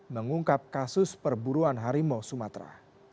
mengungkap kasus perburuan harimau sumatera